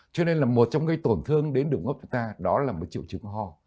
cho nên là một trong cái tổn thương đến đồng hợp chúng ta đó là một triệu chứng ho